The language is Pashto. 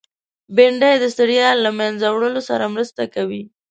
بېنډۍ د ستړیا له منځه وړلو سره مرسته کوي